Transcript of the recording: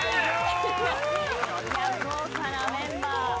豪華なメンバー。